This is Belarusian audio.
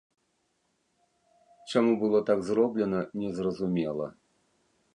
Чаму было так зроблена, незразумела.